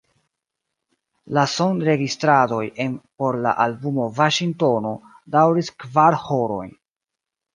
La sonregistradoj en por la albumo Vaŝingtono daŭris kvar horojn.